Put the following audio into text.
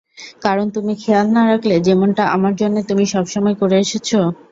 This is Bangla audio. কারণ তুমি খেয়াল না রাখলে, যেমনটা আমার জন্যে তুমি সবসময় করে এসেছো।